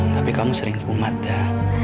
tapi kamu sering kumat dah